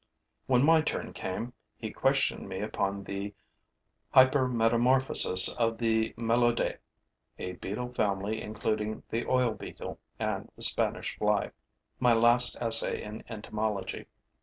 When my turn came, he questioned me upon the hypermetamorphosis of the Meloidae [a beetle family including the oil beetle and the Spanish fly], my last essay in entomology.